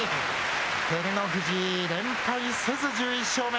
照ノ富士、連敗せず１１勝目。